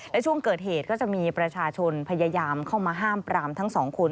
และช่วงเกิดเหตุก็จะมีประชาชนพยายามเข้ามาห้ามปรามทั้งสองคน